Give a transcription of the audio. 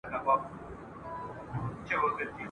حیا مي راسي چي درته ګورم !.